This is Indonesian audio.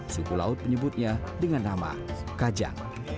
suku laut menyebutnya dengan nama kajang